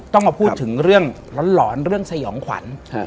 ต้องมาพูดถึงเรื่องหลอนเรื่องสยองขวัญ